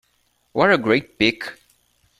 What a great pic!